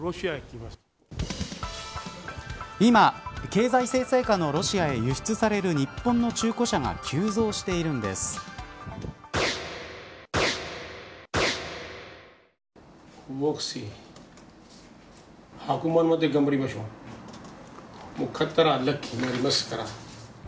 今、経済制裁下のロシアへ輸出される日本の中古車が急増しているんです。